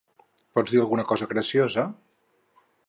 Pots dir alguna cosa graciosa?